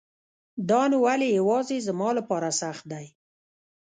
دا نو ولی يواځي زما لپاره سخت دی